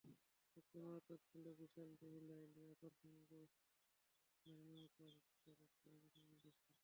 সবচেয়ে মারাত্মক ছিল বিশালদেহী লাইলি আপার সঙ্গে নাঈমা আপার রিকশাযাত্রার অনুকরণের দৃশ্যটি।